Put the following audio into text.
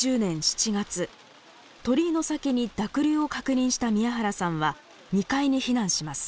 鳥居の先に濁流を確認した宮原さんは２階に避難します。